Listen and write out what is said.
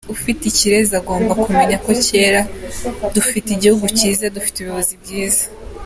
Ati “ Ufite ikirezi agomba kumenya ko cyera, dufite igihugu cyiza, dufite ubuyobozi bwiza.